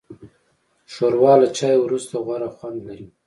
ښوروا له چای وروسته غوره خوند لري.